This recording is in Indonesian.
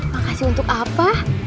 makasih untuk apa